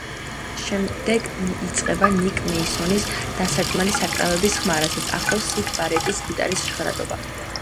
შემდეგ იწყება ნიკ მეისონის დასარტყმელი საკრავების ხმა, რასაც ახლავს სიდ ბარეტის გიტარის ჟღერადობა.